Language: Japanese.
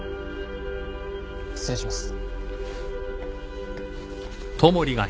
失礼します。